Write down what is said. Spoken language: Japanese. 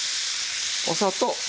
お砂糖。